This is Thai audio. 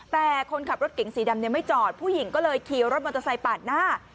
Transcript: แต่คนขับรถเก๋งสีดำไม่จอดผู้หญิงก็เลยขี่รถมอเตอร์ไซค์ปาดหน้า